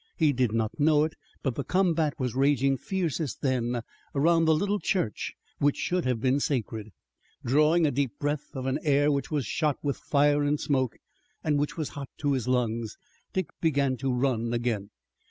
He did not know it, but the combat was raging fiercest then around the little church, which should have been sacred. Drawing a deep breath of an air which was shot with fire and smoke, and which was hot to his lungs, Dick began to run again.